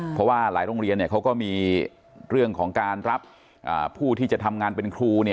เพราะว่าหลายโรงเรียนเขาก็มีเรื่องของการรับผู้ที่จะทำงานเป็นครู